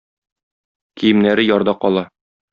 Киемнәре ярда кала.